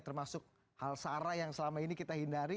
termasuk hal sarah yang selama ini kita hindari